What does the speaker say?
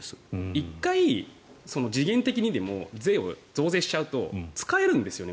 １回、時限的にでも税を増税しちゃうと使えるんですよね。